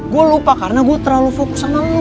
gue lupa karena gue terlalu fokus sama gue